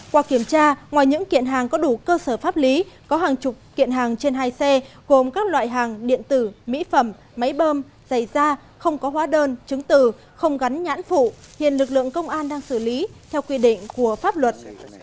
qua kiểm tra ngoài những kiện hàng có đủ cơ sở pháp lý có hàng chục kiện hàng trên hai xe gồm các loại hàng điện tử mỹ phẩm máy bơm giày da không có hóa đơn chứng từ không gắn nhãn phụ hiện lực lượng công an đang xử lý theo quy định của pháp luật